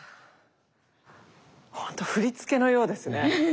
ほんと振り付けのようですね。